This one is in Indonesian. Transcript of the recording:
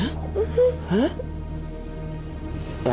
tadi lara pengen ngomong apa